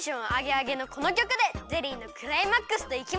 あげのこのきょくでゼリーのクライマックスといきますか！